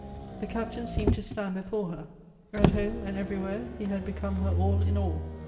The Captain seemed to . stand before her. At home, and everywhere, he had become her all in all.